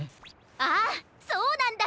ああそうなんだ！